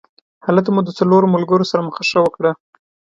هلته مو د څلورو ملګرو سره مخه ښه وکړه.